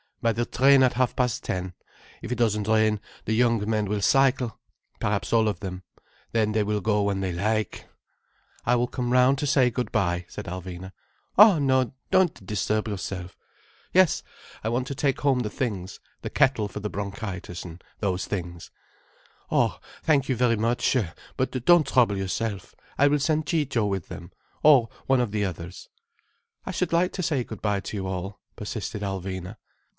"By the train at half past ten. If it doesn't rain, the young men will cycle—perhaps all of them. Then they will go when they like—" "I will come round to say good bye—" said Alvina. "Oh no—don't disturb yourself—" "Yes, I want to take home the things—the kettle for the bronchitis, and those things—" "Oh thank you very much—but don't trouble yourself. I will send Ciccio with them—or one of the others—" "I should like to say good bye to you all," persisted Alvina.